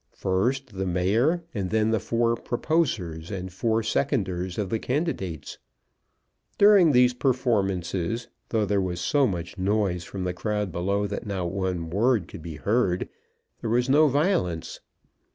First the mayor, and then the four proposers and four seconders of the candidates. During these performances, though there was so much noise from the crowd below that not a word could be heard, there was no violence.